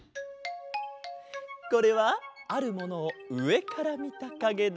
これはあるものをうえからみたかげだ。